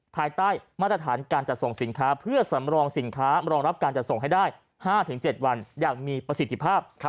ภายใต้มาตรฐานการจัดส่งสินค้าเพื่อสำรองสินค้ารองรับการจัดส่งให้ได้๕๗วันอย่างมีประสิทธิภาพ